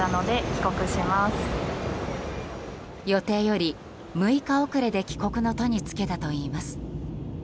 予定より６日遅れで帰国の途に就けたといいます。